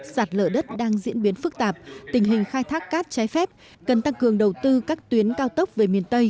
sạt lở đất đang diễn biến phức tạp tình hình khai thác cát trái phép cần tăng cường đầu tư các tuyến cao tốc về miền tây